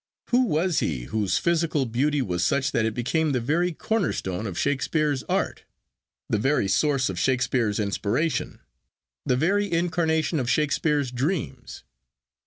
Who was he whose physical beauty was such that it became the very corner stone of Shakespeare's art; the very source of Shakespeare's inspiration; the very incarnation of Shakespeare's dreams?